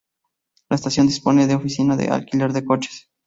La estación dispone de oficina de alquiler de coches.